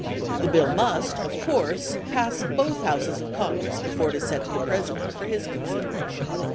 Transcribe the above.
The bill must, of course, pass both Houses of Congress before it is sent to the President for his consideration.